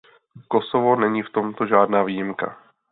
Kosovo není v tomto žádná výjimka.